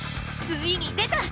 ついに出た！